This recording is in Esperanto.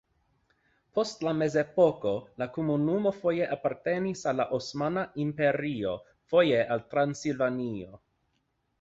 Post la mezepoko la komunumo foje apartenis al la Osmana Imperio, foje al Transilvanio.